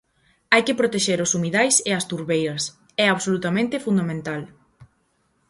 Hai que protexer os humidais e as turbeiras; é absolutamente fundamental.